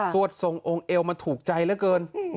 ส่วนทรงองค์เอวมันถูกใจแล้วเกิน